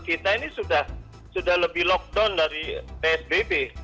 kita ini sudah lebih lockdown dari psbb